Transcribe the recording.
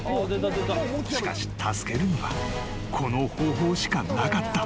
［しかし助けるにはこの方法しかなかった］